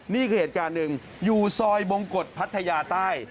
นี่คือเหตุการณ์หนึ่งอยู่ซอยบงกฎพัทยาใต้